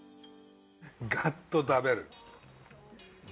ガッと食べる。